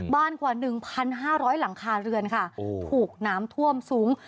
กว่า๑๕๐๐หลังคาเรือนค่ะถูกน้ำท่วมสูง